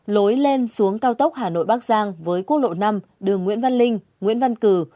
lối lên xuống cao tốc hà nội bắc giang với quốc lộ năm đường nguyễn văn linh nguyễn văn cử